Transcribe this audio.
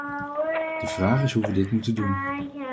De vraag is hoe we dit moeten doen.